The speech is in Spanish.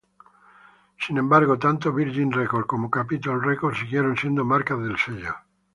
Sin embargo, tanto Virgin Records como Capitol Records, siguieron siendo marcas del sello.